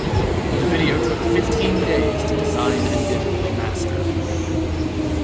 The video took fifteen days to design and digitally master.